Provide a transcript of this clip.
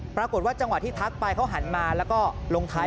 จังหวะที่ทักไปเขาหันมาแล้วก็ลงท้าย